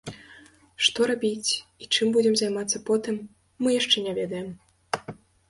Што рабіць і чым будзем займацца потым, мы яшчэ не ведаем.